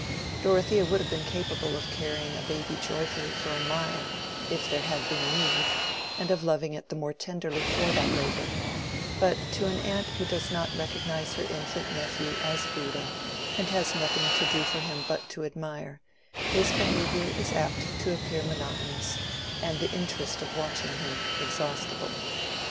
Dorothea would have been capable of carrying baby joyfully for a mile if there had been need, and of loving it the more tenderly for that labor; but to an aunt who does not recognize her infant nephew as Bouddha, and has nothing to do for him but to admire, his behavior is apt to appear monotonous, and the interest of watching him exhaustible.